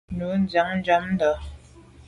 Ndo ndia nnjam ndà.